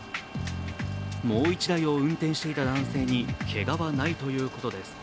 もう一台を運転していた男性にけがはないということです。